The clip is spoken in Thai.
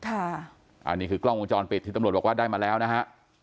อันนี้คือกล้องวงจรปิดที่ตำรวจบอกว่าได้มาแล้วนะฮะ